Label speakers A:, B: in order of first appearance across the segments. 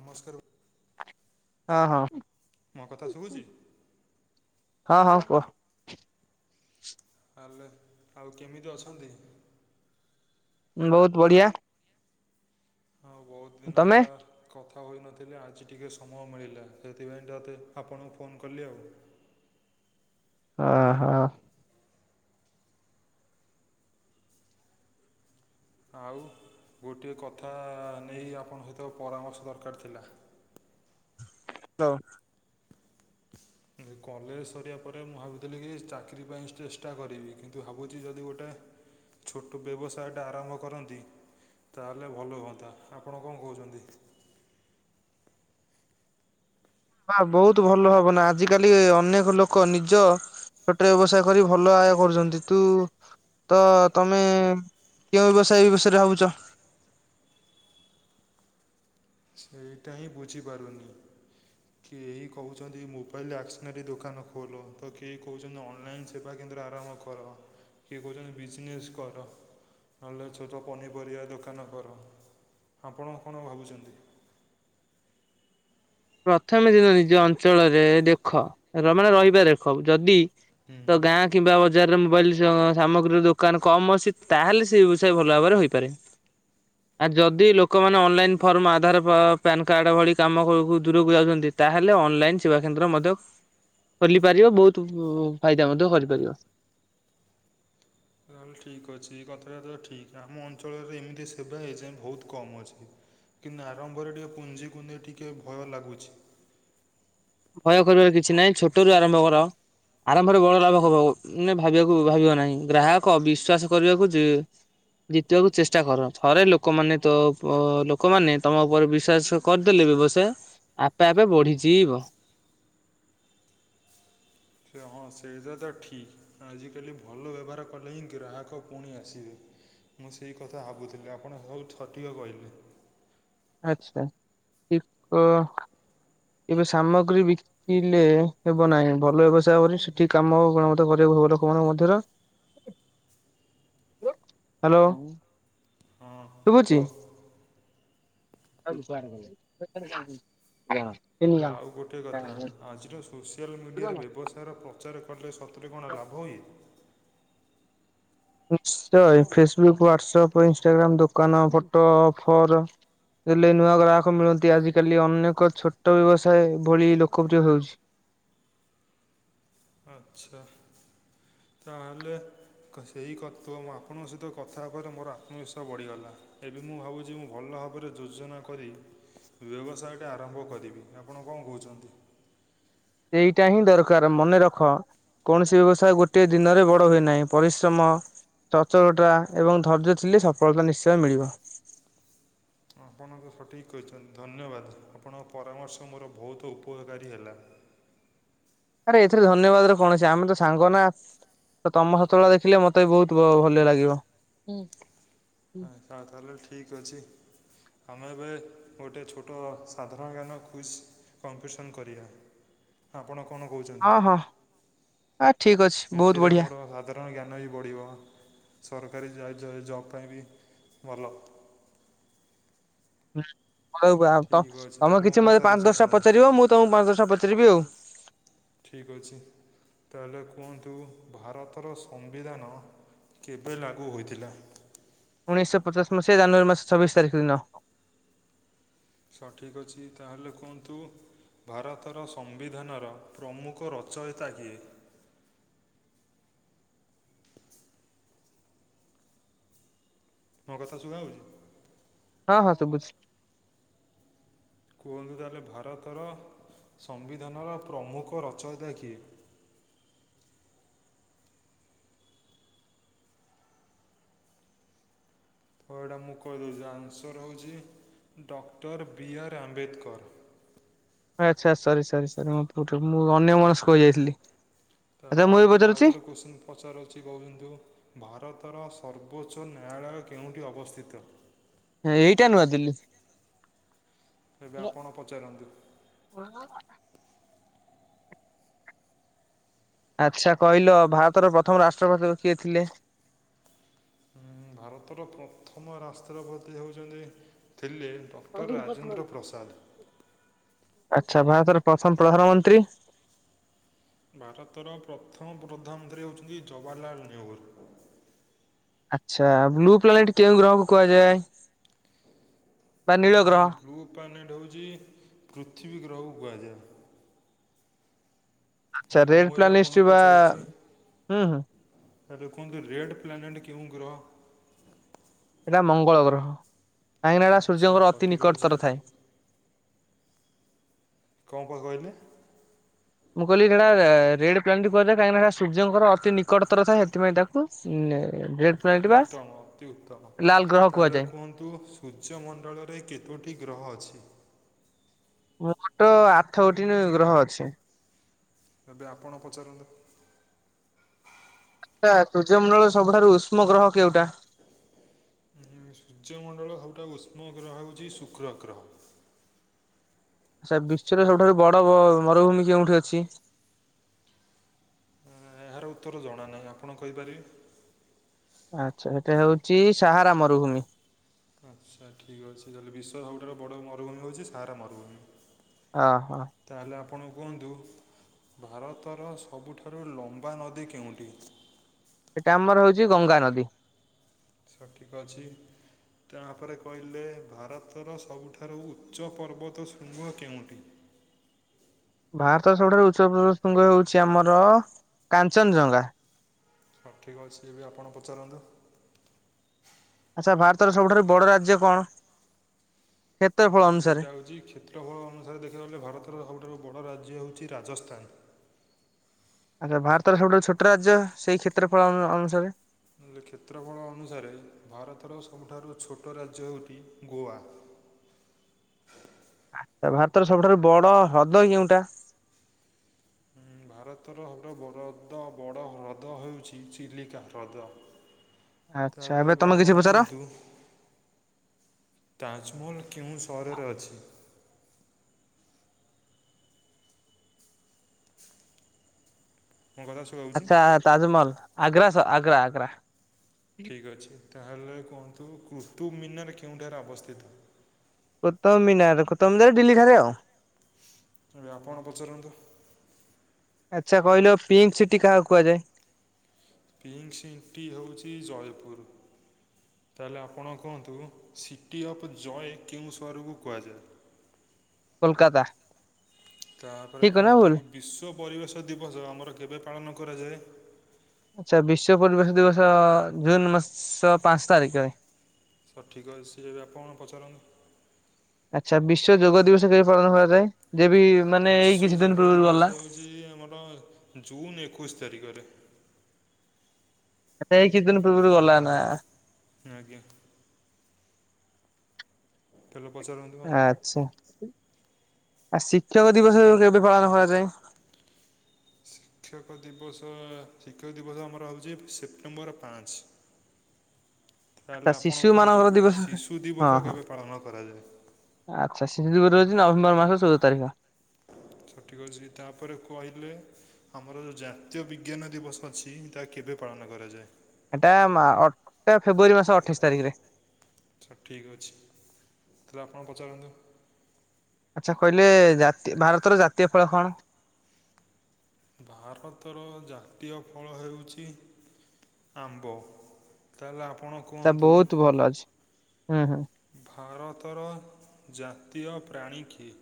A: ନମସ୍କାର।
B: ହଁ ହଁ।
A: ମୋ କଥା ଶୁଭୁଚି?
B: ହଁ ହଁ କୁହ।
A: ତାହାଲେ ଆଉ କେମିତି ଅଛନ୍ତି?
B: ବହୁତ ବଢିଆ।
A: ହଁ ବହୁତ ଦିନ
B: ତମେ
A: ହେଲା କ କଥା ହୋଇନଥିଲେ ଆଜି ଟିକେ ସମୟ ମିଳିଲା, ସେଥିପାଇଁ ତତେ ଆପଣଙ୍କୁ ଫୋନ୍ କଲି ଆଉ। [inaudible]
B: ହ ହୋ।
A: ଆଉ ଗୋଟିଏ କଥା ନେଇ ଆପଣଙ୍କ ସହିତ ପରାମର୍ଶ ଦରକାର ଥିଲା। [inaudible]
B: ହ୍ୟାଲୋ।
A: [unintelligible] କଲେଜ ସରିବା ପରେ ମୁଁ ଭାବୁଥିଲି କି ଚାକିରି ପାଇଁ ଚେଷ୍ଟା କରିବି, କିନ୍ତୁ ଭାବୁଛି ଯଦି ଗୋଟେ ଛୋଟ ବ୍ୟବସାୟଟା ଆରମ୍ଭ କରନ୍ତି। ତାହେଲେ ଭଲ ହୁଅନ୍ତା ଆପଣ କଣ କହୁଛନ୍ତି?
B: ବା ବହୁତ ଭଲ ଭାବନା ଆଜିକାଲି ଅନେକ ଲୋକ ନିଜ ଛୋଟେ ବ୍ୟବସାୟ କରି ଭଲ ଆୟ କରୁଛନ୍ତି, ତୁ ତ ତମେ କେଉଁ ବ୍ୟବସାୟ ଏ ବିଷୟରେ ଭାବୁଚ?
A: [inaudible] ସେଇଟା ହିଁ ବୁଝିପାରୁନି। କେହି କହୁଛନ୍ତି ମୋବାଇଲ ଆସନାରୀ ଦୋକାନ ଖୋଲ ତ କେହି କହୁଛନ୍ତି ଅନଲାଇନ ସେବା କେ ଆରମ୍ଭ କର କିଏ କହୁଛନ୍ତି ବିଜନେସ କର। ନହେଲେ ଛୋଟ ପନିପରିବା ଦୋକାନ କର ଆପଣ କଣ ଭାବୁଛନ୍ତି‌?
B: ପ୍ରଥମେ ଦିନ ନିଜ ଅଞ୍ଚଳରେ ଦେଖ ମାନେ ରହିବା ଦେଖ ଯଦି
A: ହୁଁ
B: ତ ଗାଁ କିମ୍ବା ବଜା ବଜାରରେ ମୋବାଇଲ ସାମଗ୍ରୀର ଦୋକାନ କମ୍ ଅଛି, ତାହେଲେ ସେ ବ୍ୟବସାୟ ଭଲ ଭାବରେ ହୋଇପାରେ। ଆ ଯଦି ଲୋକମାନେ online form Aadhaar PAN card ଭଳି କାମ ହୋଉ ଦୂରକୁ ଯାଉଛନ୍ତି ତାହେଲେ ଅନଲାଇନ୍ ସେବା କେନ୍ଦ୍ର ମଧ୍ୟ ଖୋଲିପାରିବ ବହୁତ ଫାଇଦା ମଧ୍ୟ କରିପାରିବ।
A: [inaudible] ତାହେଲେ ଠିକ୍ ଅଛି କଥାବାର୍ତ୍ତା ଠିକ୍ ଆମ ଅଞ୍ଚଳରେ, ଏମିତି ସେବା ହେଇଯାଏ ବହୁତ କମ ଅଛି। କିନ୍ତୁ ଆରମ୍ଭରେ ଟିକେ ପୁଞ୍ଜି କୁ ନେଇେଇ ଟିକେ ଭୟ ଲାଗୁଚି।
B: ଭୟ କରିବାର କିଛି ନାହିଁ ଛୋଟ ରୁ ଆରମ୍ଭ କର। ଆରମ୍ଭରେ ବଡ଼ ଲାଭ ମ ଭାବିବାକୁ ଭାବିବ ନାହିଁ, ଗ୍ରାହକ ବିଶ୍ଵାସ କରିବାକୁ ଯେ ଜିତିବାକୁ ଚେଷ୍ଟା କର ଥରେ ଲୋକମାନେ ତ ଲୋକମାନେ ତମ ଉପରେ ବିଶ୍ବାସ କରିଦେଲେ ବ୍ୟବସାୟ ଆପେ ଆପେ ବଢିଯିବ।
A: ସେ ହଁ ସେଇଟା ତ ଠିକ୍ ଆଜିକାଲି ଭଲ ବ୍ୟବହାର କଲେ ହିଁ ଗ୍ରାହକ ପୁଣି ଆସିବେ। ମୁଁ ସେଇ କଥା ଭାବୁଥିଲି ଆପଣ ସବୁ ସଠିକ୍ କହିଲେ।
B: ଆଚ୍ଛା ଅ ଏବେ ସାମଗ୍ରୀ ବିକିଲେ ହେବ ନାହିଁ ଭଲ ବ୍ୟବସାୟ କରି ସେଠି କାମ ଗୁଣ ମତ କର ଲୋକ ମଙ୍କ ମଧ୍ୟରେ
A: [inaudible]
B: ହ୍ୟାଲୋ!
A: କୁଅ!
B: ହ୍ୟାଲ!
A: ତାହେଲେ ଆଉ ଗୋଟିଏ କଥା ଆଜିର ସୋସିଆଲ ମିଡ଼ିଆରେ ବ୍ୟବସାୟର ପ୍ରଚାର କଲେ ସତ ସତରେ କଣ
B: ନିଶ୍ଚୟ
A: ଲାଭ ହୁଏ?
B: ନିଶ୍ଚୟ ଫେସବୁକ୍ ହ୍ଵାଟସଆପ୍ ଇନସଟାଗ୍ରମ୍ ଦୋକାନ ଫଟୋ ଅଫର୍ ହେଲେ ନୂଆ ଗ୍ରାହକ ମିଳନ୍ତି ଆଜିକାଲି ଅନେକ ଛୋଟ ବ୍ୟବସାୟ ଭଳି ଲୋକପ୍ରିୟ ହେଉଛି।
A: ଆଛା ତା ହେଲେ ସେହି ଆପଣଙ୍କ ସହିତ କଥା ହେବରେ ମୋର ଆତ୍ମବିଶ୍ୱାସ ବଢ଼ିଗଲା, ଏବେ ମୁଁ ଭାବୁଛି ମୁଁ ଭଲ ଭାବରେ ଯୋଜନା କରି ବ୍ୟବସାୟଟା ଆରମ୍ଭ କରିବି ଆପଣ କଣ କହୁଛନ୍ତି?
B: ଏଇଟା ହିଁ ଦରକାର ମନେ ରଖ କୌଣସି ବ୍ୟବସାୟ ଗୋଟଏ ଦିନରେ ବଡ ହୁଏ ନାହିଁ ପରିଶ୍ରମ ସଚଟତା ଏବଂ ଧୈର୍ଯ୍ୟ ଥିଲେ ସଫଳତା ନିଶ୍ଚୟ ମିଳିବ।
A: [inaudible] ଆପଣଙ୍କୁ ସଠିକ୍ କହିଛନ୍ତି, ଧନ୍ୟବାଦ ଆପଣଙ୍କ ପରାମର୍ଶ ମୋର ବହୁତ ଉପକାରୀ ହେଲା। [inaudible]
B: ଆରେ ଏଥିରେ ଧନ୍ୟବାଦ ର କୌଣସି ଆମେ ତ ସାଙ୍ଗ ନା ତ ତମ ସଫଳତା ଦେଖିଲେ ମତେ ବି ବହୁତ ଭଲ ଲାଗିବ। ହୁଁ।
A: ଆଛ ତାହେଲେ ଠିକ ଅଛି। ଆମେ ଏବେ ଗୋଟେ ଛୋଟ ସାଧାରଣ ଜ୍ଞାନ କୁଇଜ୍ କମ୍ପିଟିସନ୍ କରିବା। ଆପଣ କଣ କହୁଛନ୍ତି?
B: ହଁ ହଁ ଆ ଠିକ୍ ଅଛି ବହୁତ ବଢ଼ିଆ।
A: କାରଣ ଜ୍ଞାନ ବି ବଢ଼ିବ ସରକାରୀ ଜବ୍ ପାଇଁ ବି ଭଲ। [inaudible]
B: ହଁ। ଉ
A: ଠିକ୍ ଅଛି
B: ତମେ
A: ତାହେଲେ ମୁଁ
B: କିଛି ମତେ ପାଞ୍ଚ
A: ପଚାରୁଛି
B: ଦଶଟା
A: ଆପଣଙ୍କୁ
B: ପଚାରିବ ମୁଁ ତମକୁ ପାଞ୍ଚ ଦଶଟା ପଚାରିବି ଆଉ।
A: ଠିକ୍ ଅଛି ତାହେଲେ କୁହନ୍ତୁ ଭାରତର ସମ୍ବିଧାନ କେବେ ଲାଗୁ ହୋଇଥିଲା?
B: ଉଣେଇଶଶହ ପଚାଶ ମସିହା ଜାନୁଆରୀ ମାସ ଛବିଶ ତାରିଖ ଦିନ।
A: ସ ଠିକ୍ ଅଛି ତାହେଲେ କୁହନ୍ତୁ। ଭାରତର ସମ୍ବିଧାନର ପ୍ରମୁଖ ରଚୟତା କିଏ? ମୋ କଥା ଶୁଭା ଯାଉଛି?
B: ହଁ ହଁ ଶୁଭୁଛି।
A: କୁହନ୍ତୁ ତାହେଲେ ଭାରତର ସମ୍ବିଧାନର ପ୍ରମୁଖ ରଚୟତା କିଏ? [inaudible] ତ ଏଇଟା ମୁଁ କହିଦଉଛି ଆନ୍ସର ହଉଛି। Doctor B R Ambedkar.
B: ଆଚ୍ଛା ସରି ସରି ସରି ମୁଁ ଅନ୍ୟ ମନସ୍କ ହେ ଯାଇଥିଲି।
A: ତାହେଲେ ଆଉ ତାହେଲେ ଆଉ ଗୋଟେ କୋଶ୍ଚିନ୍ ପଚାରଉଚି ବନ୍ଧୁ ଭାରତ ତର ସର୍ବୋଚ୍ଚ ନ୍ୟାୟଳୟ କେଉଁଠି ଅବସ୍ଥିତ?
B: ଏଇଟା ନୂଆଦିଲ୍ଲୀ।
A: ଏବେ ଆପଣ ପଚାରନ୍ତୁ?
B: ଆଛା, କହିଲ ଭାରତର ପ୍ରଥମ ରାଷ୍ଟ୍ରପତି କିଏ ଥିଲେ?
A: ହୁଁ, ଭାରତର ପ୍ରଥମ ରାଷତ୍ରପତି ହେଉଛନ୍ତି? ଥିଲେ ଡକ୍ଟର ରାଜେନ୍ଦ୍ର ପ୍ରସାଦ
B: ଆଛା, ଭାରତର ପ୍ରଥମ ପ୍ରଧାନମନ୍ତ୍ରୀ?
A: ଭାରତର ପ୍ରଥମ ପ୍ରଧାନନ୍ତ୍ରୀ ହେଉଛନ୍ତି ଜବାହାରଲାଲ ନେହୁର୍।
B: ଆଚ୍ଛା, ବ୍ଲୁ ପ୍ଲାନେଟ କେଉଁ ଗ୍ରହକୁ କୁହାଯାଏ? ବା
A: ହୁଁ,
B: ନୀଳ ଗ୍ରହ
A: ବ୍ଲୁ ପ୍ଲାନେଟ ହଉଛି, ପୃଥିବୀ ଗ୍ରହକୁ କୁହାଯାଏ।
B: ଆଚ୍ଛା,
A: ହେଲେ ମୁଁ
B: ରେଡ୍
A: ଏବେ
B: ପ୍ଲାନିଷ୍ଟ
A: ଆପଣଙ୍କୁ
B: ବା ହୁଁ ହୁଁ।
A: ଦେଖନ୍ତୁ, ରେଡ୍ ପ୍ଲାନେଟ କେଉଁ ଗ୍ରହ?
B: ଏଟା ମଙ୍ଗଳ ଗ୍ରହ। କାହିଁକିନା ଏଟା
A: ଆଚ୍ଛା
B: ସୂର୍ଯ୍ୟଙ୍କର ଅତି
A: ସଠିକ୍ ଅଛି
B: ନିକଟତର ଥାଏ।
A: କଣ ପା କହିଲେ?
B: ମୁଁ, କହିଲି ହେଡା ରେଡ୍ ପ୍ଲାନିଟ୍ କୁହାଯାଏ। କାହିଁକିନା ହେଟା ସୂର୍ଯ୍ୟଙ୍କର ଅତି ନିକଟତର ଥାଏ। ହେଥିପାଇଁ ତାକୁ ନେ
A: ଉତ୍ତମ! ଅତି ଉତ୍ତମ!
B: ଲାଲ ଗ୍ରହ
A: ତାହେଲେ,
B: କୁହାଯାଏ।
A: କୁହନ୍ତୁ ସୂର୍ଯ୍ୟମଣ୍ଡଳରେ କେତୋ ଟି ଗ୍ରହ ଅଛି?
B: ମୋଟ୍ ଆଠ ଗୋଟି ନେ ଗ୍ରହ ଅଛି।
A: ଏବେ ଆପଣ ପଚାରନ୍ତୁ?
B: ଆଛା, ସୂର୍ଯ୍ୟମଣ୍ଡଳର ସବୁଠାରୁ ଉଷ୍ମ ଗ୍ରହ କେଉଁଟା?
A: ହୁଁ, ସୂର୍ଯ୍ୟମଣ୍ଡଳର ସବୁଠାରୁ ଉଷ୍ମ ଗ୍ରହ ହଉଛି, ଶୁକ୍ର ଗ୍ରହ।
B: ଆଛା, ବିଶ୍ଵର ସବୁଠାରୁ ବଡ-ଅ ମରୁଭୂମି କେଉଁଠି ଅଛି?
A: ଏହାର ଉତ୍ତର ଜଣା ନାହିଁ। ଆପଣ କହିପାରିବେ!
B: ଆଛା, ହେଟା ହେଉଛି ସାହାରା ମରୁଭୂମି।
A: ଆଚ୍ଛା, ଠିକ୍ ଅଛି। ତାହେଲେ ବିଶ୍ବର ସବୁଠାରୁ ବଡ଼ ମରୁଭୂମି ହଉଛି, ସାହାରା ମରୁଭୂମି।
B: ଆ, ହଁ।
A: ତାହେଲେ ଆପଣ କୁହନ୍ତୁ! ଭାରତର ସବୁଠାରୁ ଲମ୍ବା ନଦୀ କେଉଁଠି?
B: ଏଟା ଆମର ହଉଛି ଗଙ୍ଗାନଦୀ।
A: ସଠିକ୍ ଅଛି। ତା'ପରେ କହିଲେ, ଭାରତର ସବୁଠାରୁ ଉଚ୍ଚ ପର୍ବତ ଶୃଙ୍ଗ କେଉଁଠି? [unintelligible]
B: ଭାରତର ସବୁଠାରୁ ଉଚ୍ଚ [unintelligible] ଶୃଙ୍ଗ ହେଉଛି ଆମର କାଞ୍ଚନ ଜଂଗା।
A: ହଁ, ଠିକ ଅଛି। ଏବେ ଆପଣ ପଚାରନ୍ତୁ?
B: ଆଚ୍ଛା, ଭାରତର ସବୁଠାରୁ ବଡ ରାଜ୍ୟ କଣ? କ୍ଷେତ୍ରଫଳ ଅନୁସାରେ?
A: ଏଇଟା ହଉଛି, କ୍ଷେତ୍ରଫଳ ଅନୁସାରେ ଦେଖିବାକୁ ଗଲେ, ଭାରତର ସବୁଠାରୁ ବଡ ରା ଯେ ହଉଛି, ରାଜସ୍ଥାନ।
B: ଆଚ୍ଛା, ଭାରତର ସବୁଠାରୁ ଛୋଟ ରାଜ୍ୟ, ସେଇ କ୍ଷେତ୍ରଫଳ ଅ-ଅନୁସାରେ?
A: ଉଁ କ୍ଷେତ୍ରଫଳ ଅନୁସାରେ ଭାରତର ସବୁଠାରୁ ଛୋଟ ରାଜ୍ୟ ହେଉତି ଗୋଆ। ହ [unintelligible]
B: ଆଟ୍ଟା, ଭାରତର ସବୁଠାରୁ ବଡ ହ୍ରଦ କେଉଁଟା?
A: ହୁଁ। ଭାରତର ହବୁଠାରୁ ବଡ଼ ଅଦ ବଡ଼ ହ୍ରଦ ହେଉଛି, ଚିଲିକା ହ୍ରଦ।
B: ଆଛା,
A: ତାହେଲେ
B: ଏବେ ତମେ
A: ଆପଣ
B: କିଛି ପଚାର?
A: କୁହନ୍ତୁ ତାଜମହଲ କେଉଁ ସହରରେ ଅଛି? ମୋ କଥା ଶୁଭାଯାଉଛି
B: ଆଚ୍ଛା, ତାଜମହଲ! ଆଗ୍ରା ସ ଆଗ୍ରା ଆଗ୍ରା।
A: ଠିକ୍ ଅଛି। ତାହେଲେ କୁହନ୍ତୁ କୁତୁବ୍ ମିନାର୍ କେଉଁଠାରେ ଅବସ୍ଥିତ?
B: କୁତୁବ୍ ମିନାର୍! କୁତବ୍ ମିନାର୍ ଦିଲ୍ଲୀ ଠାରେ ଆଉ।
A: ଏବେ ଆପଣ ପଚାରନ୍ତୁ?
B: ଆଚ୍ଛା କହିଲ, ପିଙ୍କ୍ ସିଟି କାହାକୁ କୁହାଯାଏ?
A: ପିଙ୍କ୍ ସିଂଟି ହେଉଛି, ଜୟପୁର। ତାହେଲେ, ଆପଣ କୁହନ୍ତୁ! ସିଟି ଅଫ୍ ଜୟ କେଉଁ ସହରକୁ କୁହାଯାଏ? ହ [unintelligible]
B: କୋଲକାତା।
A: ତାପରେ
B: ଠିକ୍ କହିଲି ନା
A: କୁହନ୍ତୁ,
B: ଭୁଲ?
A: ବିଶ୍ୱ ପରିବେଶ ଦିବସ ଆମର କେବେ ପାଳନ କରାଯାଏ?
B: ଆଚ୍ଛା ବିଶ୍ଵ ପରିବେଶ ଦିବସ ଜୁନ ମାସ ପାଞ୍ଚ ତାରିଖରେ।
A: ସଠିକ୍ ଅଛି। ଏବେ ଆପଣ ପଚାରନ୍ତୁ।
B: ଆଚ୍ଛ। ବିଶ୍ୱ ଯୋଗ ଦିବସ କେବେ ପାଳନ କରାଯାଏ? ଯେ ବି ମାନେ ଏଇ
A: ବିଶ୍ଵ
B: କିଛି ଦିନ
A: ଯୋଗ
B: ପୂର୍ବରୁ ଗଲା
A: ଦିବସ ହଉଛି ଆମର ଜୁନ ଏକୋଇଶି ତାରିଖରେ।
B: ଏବେ ଏଇ କିଛି ଦିନ ପୂର୍ବରୁ ଗଲା ନା?
A: ଆଜ୍ଞା। ତାହେଲେ ପଚାରନ୍ତୁ ଆଉ।
B: ଆଚ୍ଛା। ଆ ଶିକ୍ଷକ ଦିବସ କେ-କେବେ ପାଳନ କରାଯାଏ?
A: ଶିକ୍ଷକ ଦିବସ, ଶିକ୍ଷକ ଦିବସ ଆମର ହଉଛି ସେପ୍ଟେମ୍ବର ପାଞ୍ଚ।
B: ଆଚ୍ଛା
A: ତାହେଲେ
B: ଶିଶୁ
A: ଆପଣ କୁହନ୍ତୁ,
B: ମାନଙ୍କର ଦିବସ
A: ଶିଶୁ
B: ହଁ
A: ଦିବସ
B: ହଁ
A: କେବେ ପାଳନ କରାଯାଏ?
B: ଆଚ୍ଛା। ଶିଶୁ ଦିବର ରହୁଛି ନଭେମ୍ବର ମାସ ଚଉଦ ତାରିଖ।
A: ହଁ ସଠିକ୍ ଅଛି, ତାପରେ କହିଲେ ଆମର ଯୋଉ ଜାତୀୟ ବିଜ୍ଞାନ ଦିବସ ଅଛି ତା କେବେ ପା ପାଳନ କରାଯାଏ?
B: ଏଇଟା ଅଟଟା ଫେବୃଆରୀ ମାସ ଅଠେଇଶ ତାରିଖରେ।
A: ତ ଠିକ୍ ଅଛି, ତାହେଲେ ଆପଣ ପଚାରନ୍ତୁ।
B: ଆଚ୍ଛା କହିଲେ, ଜାତୀୟ ଭାରତର ଜାତୀୟ ଫଳ କଣ?
A: ଭାରତର ଜାତୀୟ ଫଳ ହେଉଛି ଆମ୍ବ। ତାହେଲେ ଆପ
B: ତା ବହୁତ ଭଲ ଅଛି। ହୁଁ ହୁଁ।
A: ଭାରତର ଜାତୀୟ ପ୍ରାଣୀ କିଏ?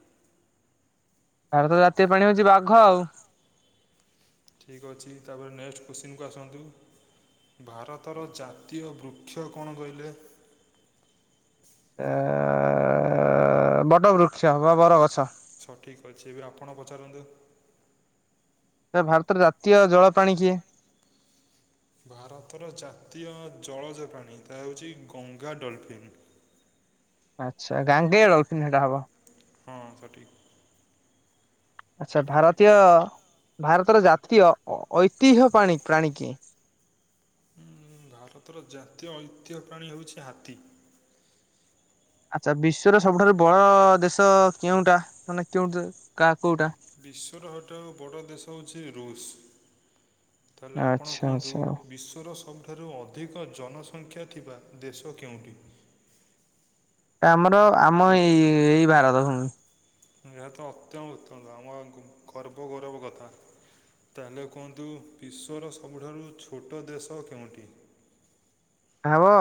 B: ଭାରତର ଜାତୀୟ ପ୍ରାଣୀ ହଉଛି ବାଘ ଆଉ।
A: ଠିକ୍ ଅଛି, ତାପରେ ନେକ୍ସଟ କୋଶ୍ଚିନକୁ ଆସନ୍ତୁ। ଭାରତର ଜାତୀୟ ବୃକ୍ଷ କଣ କହିଲେ?
B: ଏ- ଆ-ବଡ଼ ବୃକ୍ଷ ବା ବର ଗଛ।
A: ଆଚ୍ଛା ଠିକ ଅଛି। ଏବେ ଆପଣ ପଚାରନ୍ତୁ।
B: ଭାରତର ଜାତୀୟ ଜଳ ପ୍ରାଣୀ କିଏ?
A: ଭାରତର ଜାତୀୟ ଜଳଜ ପ୍ରାଣୀ, ତାହା ହେଉଛି କଙ୍ଗା ଡଲଫିନ୍। [inaudible]
B: ଆଚ୍ଛା ଗାଣ୍ଡିଆଳ [unintelligible] ହବ।
A: ହଁ ସେ ଠିକ
B: ଆଚ୍ଛା। ଭାରତୀୟ ଭାରତର ଜାତୀୟ ଐ-ଐତିହ୍ୟ ପାଣି ପ୍ରାଣୀ କିଏ?
A: ହୁଁ, ଭାରତର ଜାତୀୟ ଐତିହ୍ୟ ପ୍ରାଣୀ ହଉଛି ହାତୀ।
B: ଆଚ୍ଛା। ବିଶ୍ଵର ସବୁଠାରୁ ବଡ ଦେଶ କେଉଁଟା? ମାନେ କେଉଠି କା କୋଉଟା?
A: ବିଶ୍ୱର ହଟ ଆଉ ବଡ଼ ଦେଶ ହେଉଛି ରୁଷ। ତାହେଲେ ଆପଣ
B: ଆଚ୍ଛା
A: କୁହନ୍ତୁ,
B: ଆଚ୍ଛା।
A: ବିଶ୍ଵର ସବୁ ଠାରୁ ଅଧିକ ଜନସଂଖ୍ୟା ଥିବା ଦେଶ କେଉଁଠି?
B: ଆମର ଆମ ଏଇ-ଇ-ଇ-ଏଇ ଭାରତ ଭୂମୀ।
A: ଏହା ତ ଅତ୍ୟନ୍ତ ଉତ୍ତମ ଆମ ଗ-ଗର୍ବ ଗୌରବ କଥା। ତାହେଲେ କୁହନ୍ତୁ, ବିଶ୍ୱର ସବୁଠାରୁ ଛୋଟ ଦେଶ କେଉଁଠି?
B: ହାବ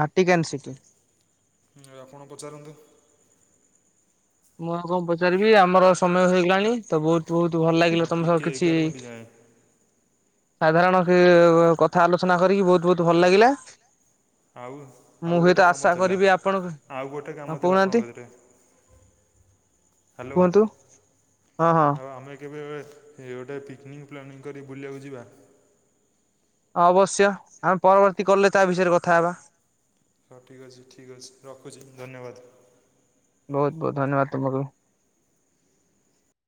B: ଭାଟିକାନ୍ ସିଟି।
A: ହୁଁ ଆପଣ ପଚାରନ୍ତୁ।
B: ମୁଁ ଆଉ କଣ ପଚାରିବି, ଆମର ସମୟ ହୋଇଗଲାଣି ତ ବହୁତ ବହୁତ ଭଲ
A: ନା
B: ଲାଗିଲା ତମ ସହ
A: ଟିକେ
B: କିଛି
A: ଏଗାର ମିନିଟ୍ ଯାଏଁ
B: ସାଧାରଣ କି କଥା ଆଲୋଚନା କରିକି, ବହୁତ ବହୁତ ଭଲ ଲାଗିଲା
A: ଆଉ
B: ମୁଁ
A: ଆଉ
B: ହୁଏତ
A: ଗୋଟେ କାମ
B: ଆଶା
A: ଥିଲା,
B: କରିବି ଆପଣଙ୍କୁ
A: ଆଉ ଗୋଟେ
B: ହଁ
A: କାମ ଥିଲା
B: କହୁନାହାନ୍ତି
A: ଆପଣଙ୍କ କତିରେ। ହ୍ୟାଲୋ।
B: କୁହନ୍ତୁ, ହଁ ହଁ।
A: କେବେ କେବେ ଗୋଟେ ପିକନିକ୍ ପ୍ଲାନିଂ କରି ବୁଲିବାକୁ ଯିବା?
B: ଅବଶ୍ୟ ଆମେ ପରବର୍ତ୍ତୀ କଲରେ ତା ବିଷୟରେ କଥା ହେବା।
A: ହଁ ଠିକ୍ ଅଛି ଠିକ୍ ଅଛି ରଖୁଛି ଧନ୍ୟବାଦ।
B: ବହୁତ ବହୁତ ଧନ୍ୟବାଦ ତୁମକୁ।